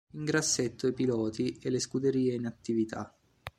In grassetto i piloti e le scuderie in attività.